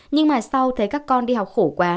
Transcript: nhưng mà sau thấy các con đi học khổ quá